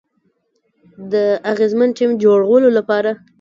د اغیزمن ټیم جوړولو لپاره